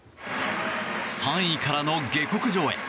３位からの下克上へ